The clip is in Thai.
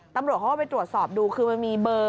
ตำรวจเขาก็ไปตรวจสอบดูคือมันมีเบอร์